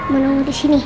mau nunggu kesini